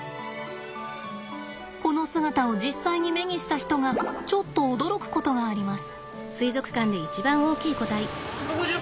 この姿を実際に目にした人がちょっと驚くことがあります。